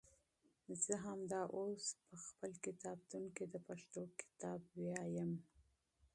زه همدا اوس په خپل کتابتون کې د پښتو کتاب لولم.